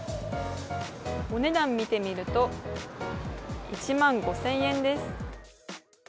お値段見てみると１万５０００円です。